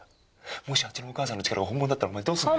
もしあっちのお母さんの力が本物だったらお前どうするんだよ？